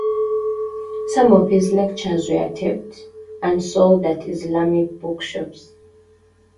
Some of his lectures were taped and sold at Islamic bookshops.